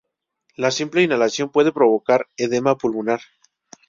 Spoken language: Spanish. La simple inhalación puede provocar edema pulmonar.